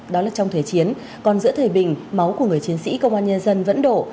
đó là trong thời chiến còn giữa thời bình máu của người chiến sĩ công an nhân dân vẫn đổ